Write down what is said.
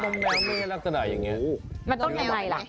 นมแมวไม่ได้รักษาใดอย่างนี้มันต้องทำอะไรล่ะ